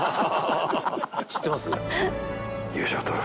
知ってます？